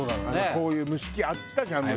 こういう蒸し器あったじゃん昔。